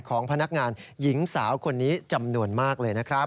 ของพนักงานหญิงสาวคนนี้จำนวนมากเลยนะครับ